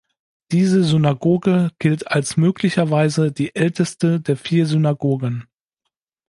Diese Synagoge gilt als möglicherweise die älteste der vier Synagogen.